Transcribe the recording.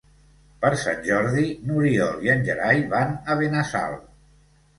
Per Sant Jordi n'Oriol i en Gerai van a Benassal.